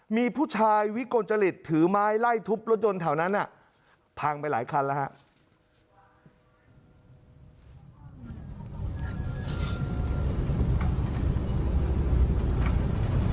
มีผู้ชายวิกลจริตถือไม้ไล่ทุบรถยนต์แถวนั้นพังไปหลายคันแล้วครับ